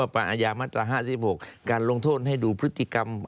ประอายามาตรา๕๖การลงโทษให้ดูพฤติกรรม